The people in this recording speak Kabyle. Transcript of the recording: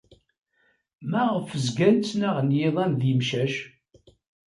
Maɣef zgan ttnaɣen yiḍan ed yimcac?